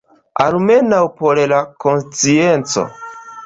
Almenaŭ por la konscienco.